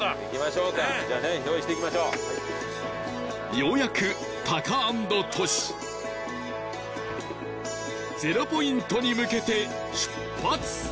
ようやくタカアンドトシゼロポイントに向けて出発！